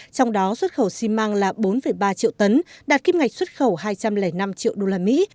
trong đó xuất khẩu xi măng là bốn ba triệu tấn đạt kim ngạch xuất khẩu hai trăm linh năm triệu đô la mỹ